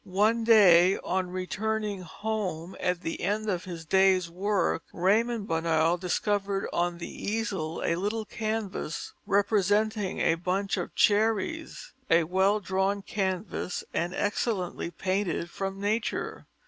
One day on returning home, at the end of his day's work, Raymond Bonheur discovered on the easel a little canvas representing a bunch of cherries, a well drawn canvas and excellently painted from nature.